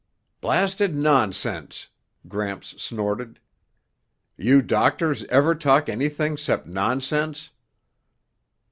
"Blasted nonsense!" Gramps snorted. "You doctors ever talk anything 'cept nonsense?"